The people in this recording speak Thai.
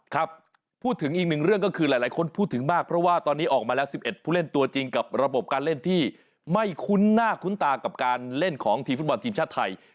ครับพูดถึงอีกหนึ่งเรื่องก็คือหลายคนพูดถึงมากเพราะว่าตอนนี้ออกมาแล้ว๑๑ผู้เล่นตัวจริงกับระบบการเล่นที่ไม่คุ้นหน้าคุ้นตากับการเล่นของทีมฟุตบอลทีมชาติไทย